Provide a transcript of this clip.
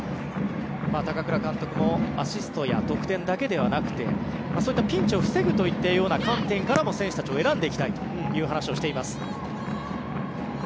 高倉監督もアシストや得点だけではなくてそういったピンチを防ぐという観点からも選手たちを選んでいきたいという話をしています。